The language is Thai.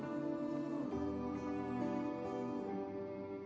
จริงจริง